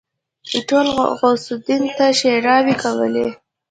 ټولو غوث الدين ته ښېراوې کولې.